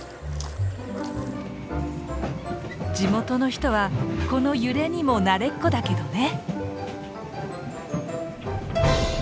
地元の人はこの揺れにも慣れっこだけどね！